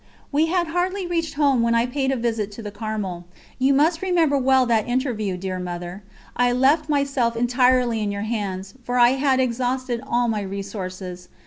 We had hardly reached home when I paid a visit to the Carmel. You must remember well that interview, dear Mother. I left myself entirely in your hands, for I had exhausted all my resources.